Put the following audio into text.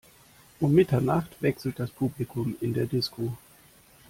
Um Mitternacht wechselt das Publikum in der Disco.